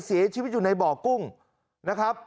เสียชีวิตอยู่ในบ่อกุ้งนะครับ